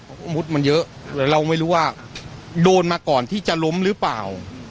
เพราะมุดมันเยอะเลยเราไม่รู้ว่าโดนมาก่อนที่จะล้มหรือเปล่า